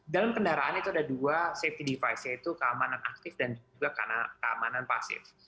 dalam kendaraan itu ada dua safety device yaitu keamanan aktif dan juga keamanan pasif